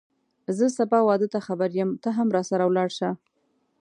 زه سبا واده ته خبر یم ته هم راسره ولاړ شه